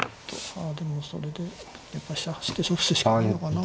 あでもそれでやっぱ飛車走って勝負するしかないのかな。